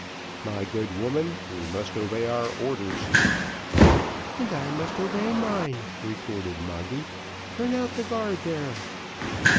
"My good woman, we must obey our orders." "And I must obey mine," retorted Moggy. "Turn out the guard there."